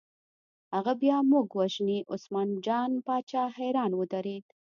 هغه بیا موږ وژني، عثمان جان باچا حیران ودرېد.